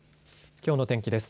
きょうの天気です。